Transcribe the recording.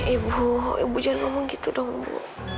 ibu ibu jangan ngomong gitu dong bu